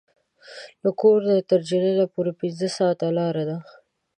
له کور نه یې تر جنین پورې پنځه ساعته لاره ده.